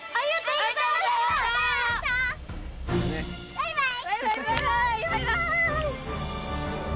バイバイ！